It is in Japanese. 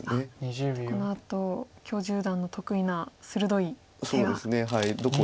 じゃあこのあと許十段の得意な鋭い手が。